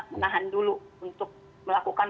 menahan dulu untuk melakukan